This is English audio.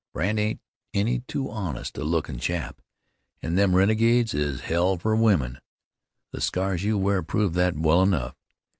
Brandt ain't any too honest a lookin' chap, an' them renegades is hell for women. The scars you wear prove that well enough.